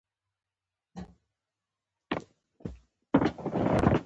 ته خوا مه بدوه!